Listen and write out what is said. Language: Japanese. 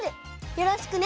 よろしくね！